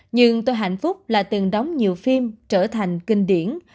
nhưng tôi hạnh phúc là từng đóng nhiều phim trở thành kinh điển